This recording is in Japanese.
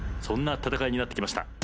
そんな戦いになってきました。